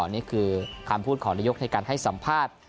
นี่คือคำพูดของนายกในการให้สัมภาษณ์